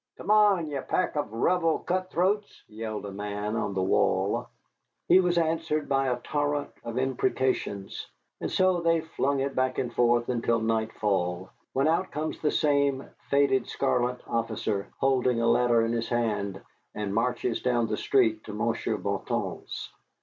"Come on, ye pack of Rebel cutthroats!" yelled a man on the wall. He was answered by a torrent of imprecations. And so they flung it back and forth until nightfall, when out comes the same faded scarlet officer, holding a letter in his hand, and marches down the street to Monsieur Bouton's.